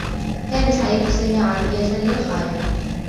كانت حياة سامي عاديّة للغاية.